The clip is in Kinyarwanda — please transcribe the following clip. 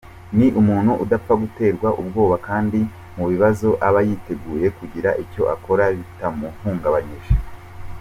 Ni umuntu udapfa guterwa ubwoba kandi mu bibazo aba yiteguye kugira icyo akora bitamuhungabanyije.